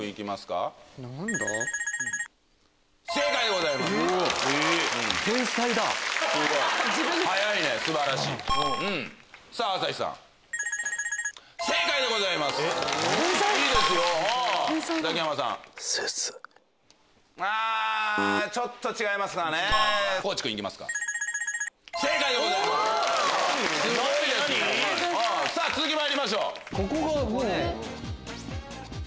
続きまいりましょう。